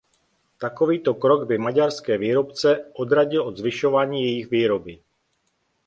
Takovýto krok by maďarské výrobce odradil od zvyšování jejich výroby.